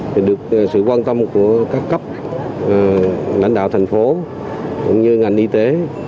thì được sự quan tâm của các cấp lãnh đạo thành phố cũng như ngành y tế